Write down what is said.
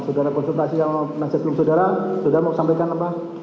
setelah konsultasi yang menasihati saudara saudara mau sampaikan apa